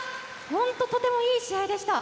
本当、とてもいい試合でした。